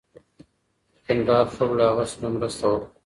د کندهار خلکو له هغه سره مرسته وکړه.